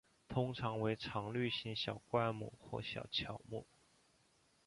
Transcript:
通常为常绿性小灌木或小乔木。